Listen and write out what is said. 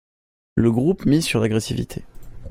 Le groupe mise sur l'agressivité.